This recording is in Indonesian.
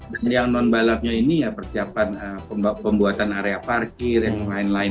dan yang non balapnya ini ya persiapan pembuatan area parkir yang lain lain